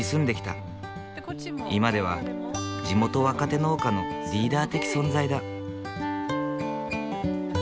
今では地元若手農家のリーダー的存在だ。